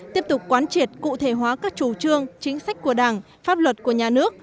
tiếp tục quán triệt cụ thể hóa các chủ trương chính sách của đảng pháp luật của nhà nước